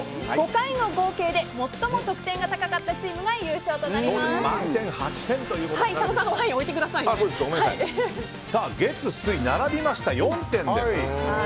５回の合計で最も得点が高かったチームが満点は８点佐野さん、ワイン月、水並びました、４点です。